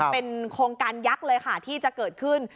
เป็นโครงการยักษ์เลยค่ะที่จะเกิดขึ้น